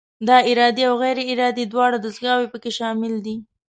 دا ارادي او غیر ارادي دواړه دستګاوې پکې شاملې دي.